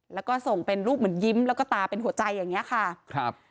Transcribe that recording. แล้วก็ส่งเป็นรูปเหมือนยิ้มแล้วก็ตาเป็นหัวใจอย่างเงี้ยค่ะครับ